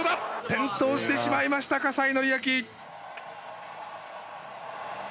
転倒してしまいました西紀明。